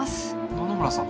野々村さん。